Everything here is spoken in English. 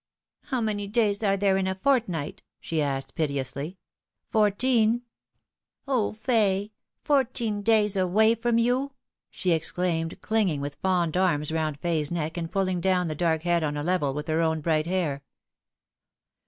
" How many days are there in a fortnight ?" she asked piteously. " Fourteen." " O Fay, fourteen days away from you !" she exclaimed, clinging with fond arms round Fay's neck, and pulling down the dark head on a level with her own bright hair.